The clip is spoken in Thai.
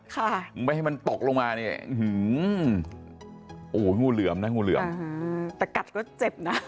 ค่ะไม่ให้มันตกลงมาเนี่ยโอ้โหงูเหลือมนะงูเหลือมแต่กัดก็เจ็บนะ